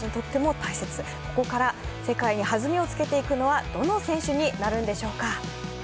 ここから世界に弾みをつけていくのはどの選手になるんでしょうか。